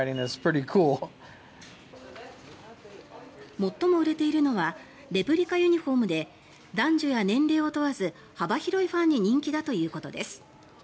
最も売れているのはレプリカユニホームで男女や年齢を問わず幅広いファンに人気だということです。